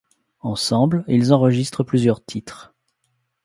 Ensemble, ils enregistrent plusieurs titres.